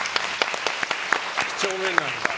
几帳面なんだ。